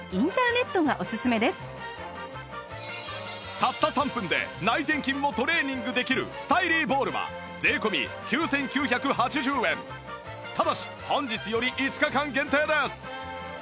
たった３分で内転筋をトレーニングできるスタイリーボールは税込９９８０円ただし本日より５日間限定です